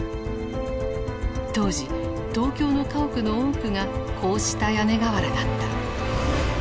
当時東京の家屋の多くがこうした屋根瓦だった。